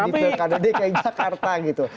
di pilkada d kayak jakarta gitu